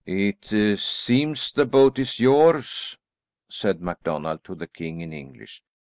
"It seems the boat is yours," said MacDonald to the king in English.